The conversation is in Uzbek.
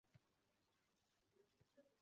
Baxtimizga sog`–omon bo`lsin